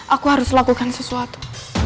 aku harus lakukan sesuatu